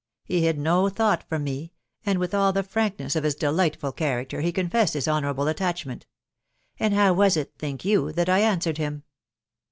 He hid no thought from me, and with all the frankness of his delightful character he confessed his honourable attachment .••. And how was it, think you, that I answered him